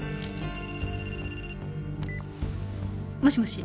もしもし。